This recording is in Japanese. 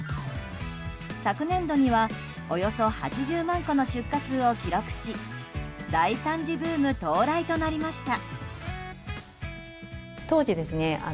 昨年度にはおよそ８０万個の出荷数を記録し第３次ブーム到来となりました。